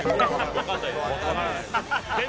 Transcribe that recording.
わからないです。